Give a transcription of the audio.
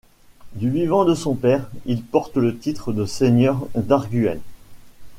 Du vivant de son père, il porte le titre de seigneur d'Arguel.